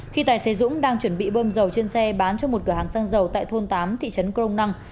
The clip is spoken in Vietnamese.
khi tài xế dũng đang chuẩn bị bơm dầu trên xe bán cho một cửa hàng xăng dầu tại thôn tám thị trấn crong năng